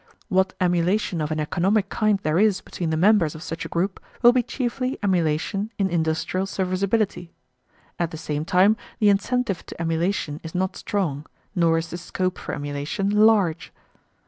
What emulation of an economic kind there is between the members of such a group will be chiefly emulation in industrial serviceability. At the same time the incentive to emulation is not strong, nor is the scope for emulation large.